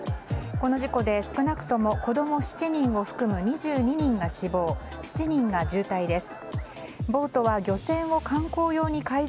この事故で少なくとも子供７人を含む２２人が死亡、７人が重体です。